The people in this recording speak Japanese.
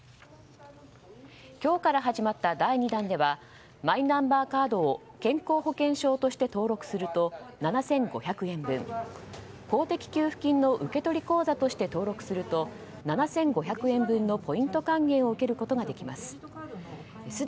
今日から始まった第２弾ではマイナンバーカードを健康保険証として登録すると７５００円分公的給付金の受け取り口座として登録すると７５００円分のポイント還元を受けることができます。